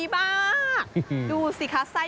มักกล้า